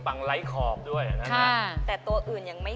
ของพี่บอลมีอะไรเหนือเขามั้ย